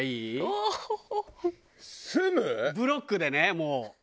ブロックでねもう。